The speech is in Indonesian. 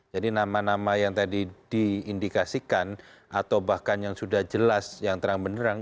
jadi nama nama yang tadi diindikasikan atau bahkan yang sudah jelas yang terang benerang